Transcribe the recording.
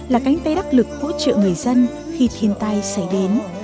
là cánh tay đắc lực hỗ trợ người dân khi thiên tai xảy đến